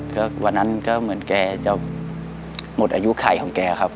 ก็วันนั้นก็เหมือนแกจะหมดอายุไข่ของแกครับ